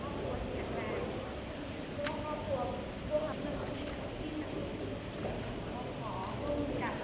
สวัสดีครับสวัสดีครับ